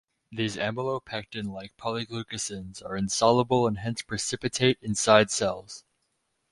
These amylopectin-like polyglucosans are insoluble and hence precipitate inside cells.